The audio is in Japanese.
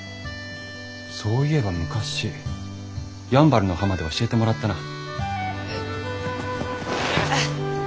そういえば昔やんばるの浜で教えてもらったな。